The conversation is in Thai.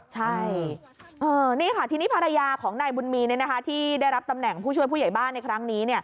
ใช่นี่ค่ะทีนี้ภรรยาของนายบุญมีที่ได้รับตำแหน่งผู้ช่วยผู้ใหญ่บ้านในครั้งนี้